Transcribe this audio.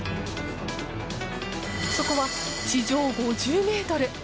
そこは地上５０ｍ。